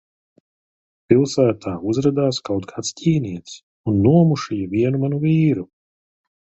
Pilsētā uzradās kaut kāds ķīnietis un nomušīja vienu manu vīru.